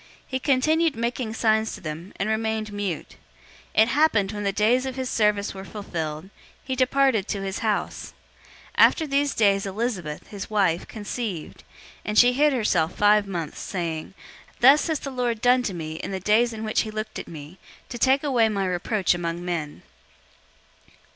He continued making signs to them, and remained mute. 001:023 It happened, when the days of his service were fulfilled, he departed to his house. 001:024 After these days Elizabeth, his wife, conceived, and she hid herself five months, saying, 001:025 "Thus has the Lord done to me in the days in which he looked at me, to take away my reproach among men."